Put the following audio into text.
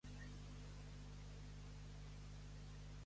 S'ha arrestat a gent?